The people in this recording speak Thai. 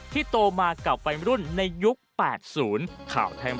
ที่โตมากลับไปรุ่นในยุค๘๐